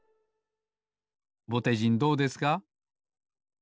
ぼてじんどうですか？